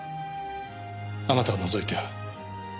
あなたを除いては。